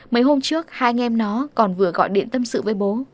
mấy hôm trước hai anh em nó còn vừa gọi điện tâm sự với bố